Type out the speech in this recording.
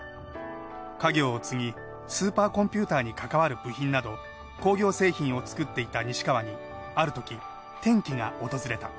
家業を継ぎスーパーコンピューターに関わる部品など工業製品を作っていた西川にあるとき転機が訪れた。